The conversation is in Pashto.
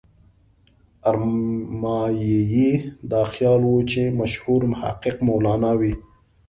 ارمایي دا خیال و چې مشهور محقق مولانا وي.